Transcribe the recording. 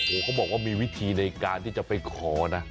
โอ้โหเขาบอกว่ามีวิธีในการที่จะไปขอนะ